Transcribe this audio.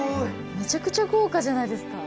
めちゃくちゃ豪華じゃないですか。